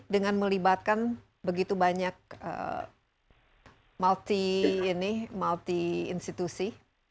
dengan melibatkan begitu banyak multi institusi